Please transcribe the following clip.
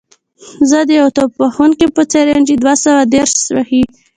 زه د یو توپ وهونکي په څېر یم چې دوه سوه دېرش وهي.